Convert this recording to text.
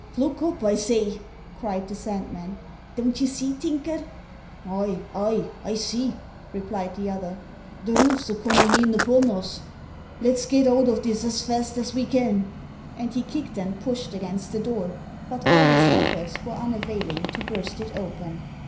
"Look up, I say," cried the Sandman. "Don't ye see, Tinker?" "Ay, ay, I see," replied the other. "The roof's a comin' in upon us. Let's get out o' this as fast as ve can." And he kicked and pushed against the door, but all his efforts were unavailing to burst it open.